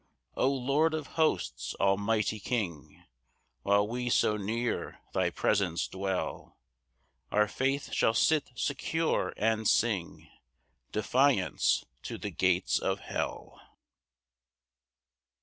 6 O Lord of hosts, almighty King, While we so near thy presence dwell, Our faith shall sit secure, and sing Defiance to the gates of hell.